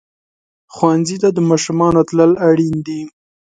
ښوونځي ته د ماشومانو تلل اړین دي.